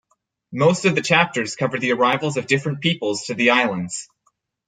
Most of the chapters cover the arrivals of different peoples to the islands.